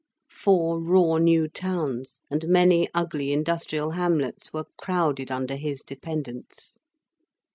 Four raw new towns, and many ugly industrial hamlets were crowded under his dependence.